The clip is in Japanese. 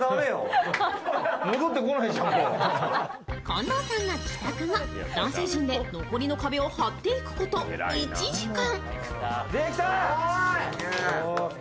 近藤さんが帰宅後、男性陣で残りの壁を張っていくこと１時間。